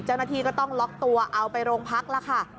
เจ้าหน้าที่ก็ต้องล็อกตัวเอาไปโรงพักแล้วค่ะ